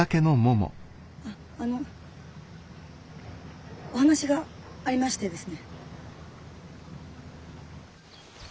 あっあのお話がありましてですね。